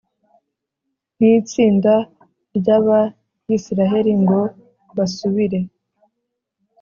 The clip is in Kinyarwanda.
nitsinda ryaba yisiraheri ngo basubire